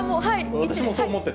私もそう思ってた。